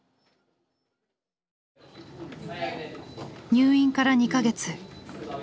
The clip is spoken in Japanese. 入院から２か月。